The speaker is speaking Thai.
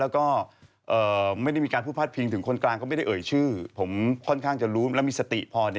ผมไปถามคนอื่นคนอื่นบอกว่าไงบ๊ะ